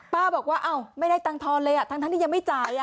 บอกว่าไม่ได้ตังทอนเลยทั้งที่ยังไม่จ่าย